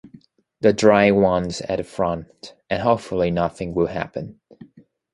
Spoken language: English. The dry ones at the front and, hopefully, nothing will happen.